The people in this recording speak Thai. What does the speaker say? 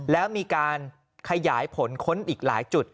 แล้วมีการขยายผลค้นอีกหลายจุด